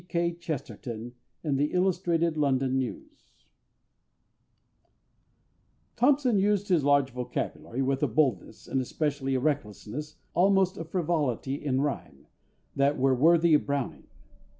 G. K. CHESTERTON, in The Illustrated London News. Thompson used his large vocabulary with a boldness and especially a recklessness, almost a frivolity in rhyme that were worthy of BROWNING.